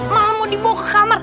mau dibawa ke kamar